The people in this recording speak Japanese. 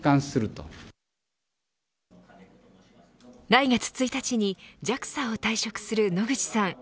来月１日にＪＡＸＡを退職する野口さん